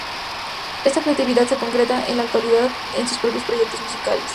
Esta creatividad se concreta en la actualidad en sus propios proyectos musicales.